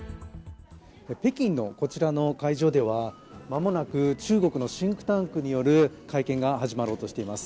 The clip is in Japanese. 北京のこちらの会場では間もなく中国のシンクタンクによる会見が始まろうとしています。